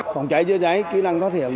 còn cháy chữa cháy kỹ năng thoát hiểm